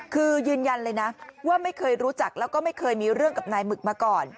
คือยืนยันเลยนะว่าไม่เคยรู้จักแล้วก็ไม่เคยมีเรื่องกับนายหมึกมาก่อน